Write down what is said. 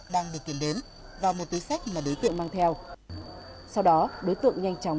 đang được kiểm đến vào một túi sách mà đối tượng mang theo sau đó đối tượng nhanh chóng